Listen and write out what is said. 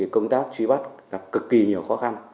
công tác truy bắt gặp cực kỳ nhiều khó khăn